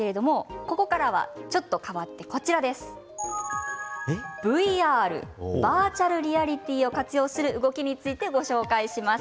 ここからは、ちょっと変わってＶＲ、バーチャルリアリティーを活用する動きについてご紹介します。